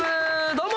どうも！